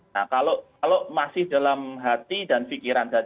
nah kalau masih dalam hati dan pikiran